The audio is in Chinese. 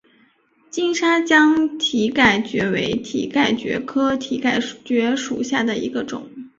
金沙江蹄盖蕨为蹄盖蕨科蹄盖蕨属下的一个种。